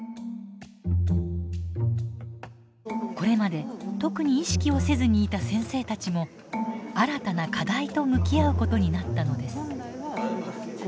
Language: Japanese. これまで特に意識をせずにいた先生たちも新たな課題と向き合うことになったのです。